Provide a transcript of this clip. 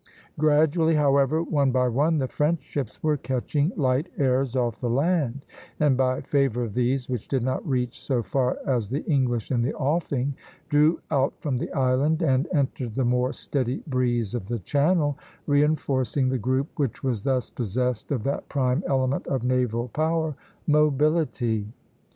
Gradually, however, one by one, the French ships were catching light airs off the land; and by favor of these, which did not reach so far as the English in the offing, drew out from the island and entered the more steady breeze of the channel, reinforcing the group which was thus possessed of that prime element of naval power, mobility.